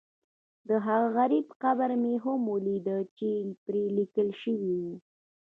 دهغه غریب قبر مې هم ولیده چې پرې لیکل شوي و.